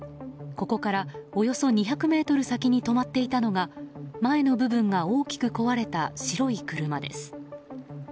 ここから、およそ２００ｍ先に止まっていたのが前の部分が大きく壊れた白い車です。